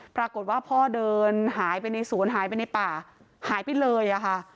ปรากฏว่าพ่อเดินหายไปในสวนหายไปในป่าหายไปเลยอะค่ะ